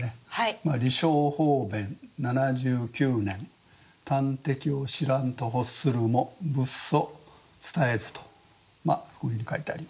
「利生方便七十九年端的を知らんと欲するも仏祖伝えず」とこういうふうに書いてあります。